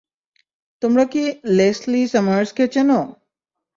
তোমরা কি লেসলি সামার্সকে চেনো?